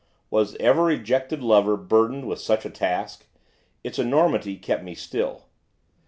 Was ever rejected lover burdened with such a task? Its enormity kept me still.